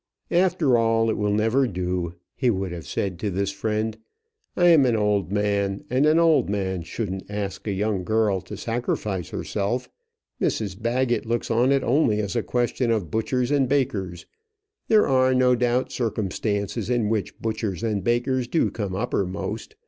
"After all it will never do," he would have said to this friend; "I am an old man, and an old man shouldn't ask a young girl to sacrifice herself. Mrs Baggett looks on it only as a question of butchers and bakers. There are, no doubt, circumstances in which butchers and bakers do come uppermost.